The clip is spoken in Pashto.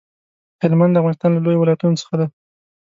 هلمند د افغانستان له لويو ولايتونو څخه دی.